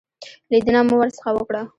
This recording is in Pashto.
لیدنه مو ورڅخه وکړه.